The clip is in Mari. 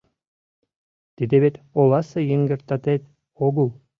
Тиде вет оласе йыҥгыртатет огыл.